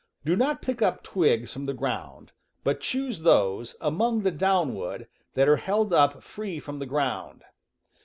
Do not pick up twigs from the ground, but choose those, among the downwood, that are held up free from the ground.